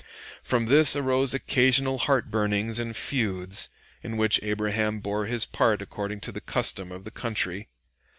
From this arose occasional heart burnings and feuds, in which Abraham bore his part according to the custom of the country.